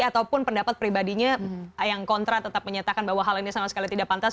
ataupun pendapat pribadinya yang kontra tetap menyatakan bahwa hal ini sama sekali tidak pantas